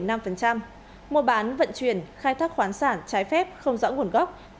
mua bán vận chuyển khai thác khoáng sản trái phép không rõ nguồn gốc